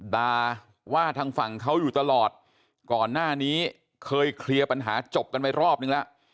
ด่าว่าทางฝั่งเขาอยู่ตลอดก่อนหน้านี้เคยเคลียร์ปัญหาจบกันไปรอบนึงแล้ว